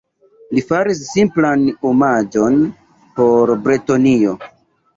Li faris simplan omaĝon por Bretonio.